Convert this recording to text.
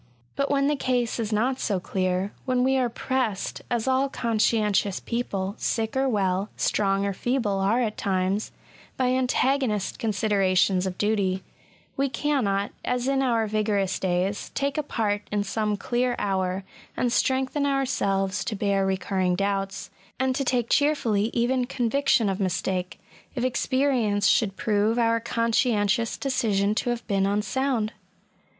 But when the case is not so clear, when we are pressed (as all conscientious people, sick or well, strong or feeble, are at times) by antagonist considerations of duty, we cannot, as in our vigorous days, take a part in some clear hour, and strengthen ourselves to bear recurring doubts, and to take cheerfully even conviction of mistake, if experience should prove our conscientious decision to have been unsound.